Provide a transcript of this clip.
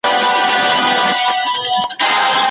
شاګرد د خپلې تجربې یادښتونه زیاتوي.